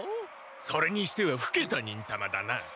それにしてはふけた忍たまだな。